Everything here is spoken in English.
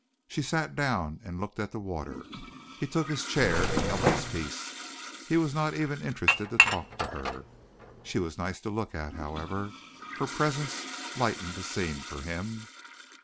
She sat down and looked at the water. He took his chair and held his peace. He was not even interested to talk to her. She was nice to look at, however. Her presence lightened the scene for him.